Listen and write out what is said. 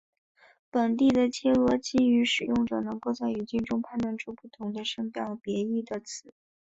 本地的切罗基语使用者能够在语境中判断出不同的声调别义的词。